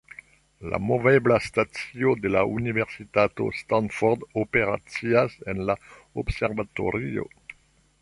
La movebla stacio de la Universitato Stanford operacias en la observatorio.